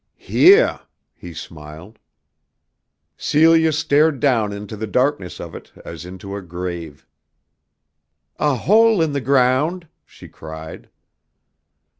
"Heah!" he smiled. Celia stared down into the darkness of it as into a grave. "A hole in the ground," she cried.